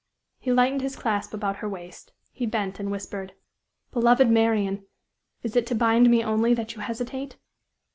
He lightened his clasp about her waist he bent and whispered: "Beloved Marian, is it to bind me only that you hesitate?"